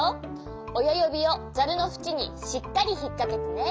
おやゆびをザルのふちにしっかりひっかけてね。